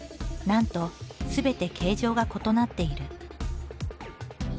なんとすべて形状が異なっている。